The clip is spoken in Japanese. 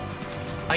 はい。